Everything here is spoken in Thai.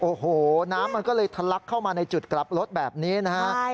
โอ้โหน้ำมันก็เลยทะลักเข้ามาในจุดกลับรถแบบนี้นะฮะ